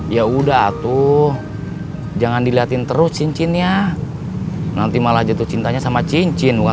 ya udah tuh jangan dilihatin terus cincinnya nanti malah jatuh cintanya sama cincin